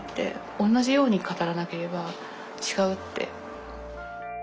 おんなじように語らなければ違うって。